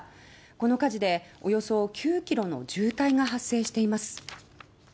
この火事でおよそ９ｋｍの渋滞が発生しています。